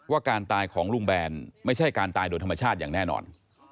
การตายของลุงแบนไม่ใช่การตายโดยธรรมชาติอย่างแน่นอน